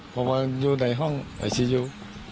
เพราะว่าอยู่ในห้องไอซียู